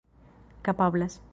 kapablas